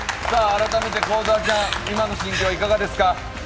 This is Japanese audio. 改めて幸澤ちゃん、今の心境、いかがですか？